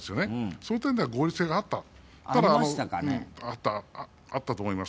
その点では合理性があったと思います。